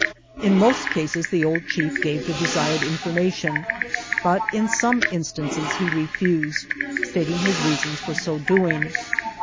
In most cases the old chief gave the desired information, but in some instances he refused, stating his reasons for so doing.